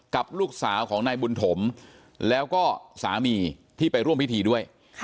กับลูกสาวของนายบุญถมแล้วก็สามีที่ไปร่วมพิธีด้วย